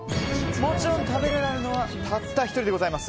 もちろん食べられるのはたった１人でございます。